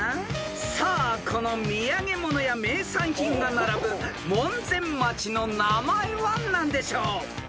［さあこの土産物や名産品が並ぶ門前町の名前は何でしょう？］